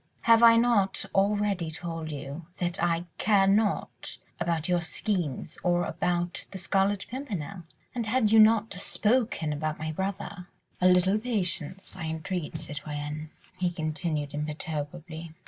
Have I not already told you that I care nought about your schemes or about the Scarlet Pimpernel. And had you not spoken about my brother ..." "A little patience, I entreat, citoyenne," he continued imperturbably.